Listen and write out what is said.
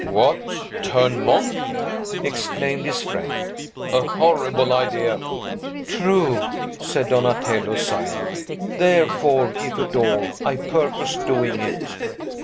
"What! Turn monk?" exclaimed his friend. "A horrible idea!" "True," said Donatello, sighing. "Therefore, if at all, I purpose doing it."